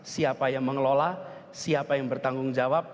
siapa yang mengelola siapa yang bertanggung jawab